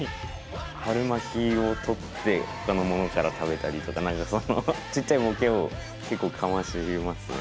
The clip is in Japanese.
春巻きを取ってほかのものから食べたりとかちっちゃいボケを結構かましてきますね。